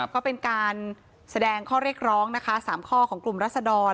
ก็เป็นการแสดงข้อเรียกร้องนะคะ๓ข้อของกลุ่มรัศดร